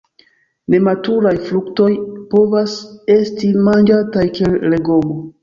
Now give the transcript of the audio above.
Nematuraj fruktoj povas esti manĝataj kiel legomo.